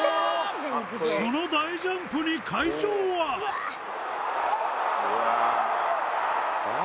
その大ジャンプに会場はウオー！